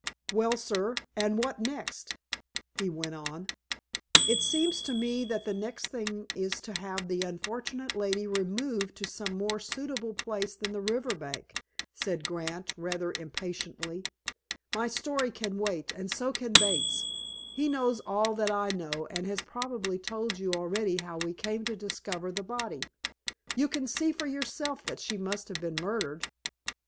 "Well, sir, and what next?" he went on. "It seems to me that the next thing is to have the unfortunate lady removed to some more suitable place than the river bank," said Grant, rather impatiently. "My story can wait, and so can Bates's. He knows all that I know, and has probably told you already how we came to discover the body. You can see for yourself that she must have been murdered.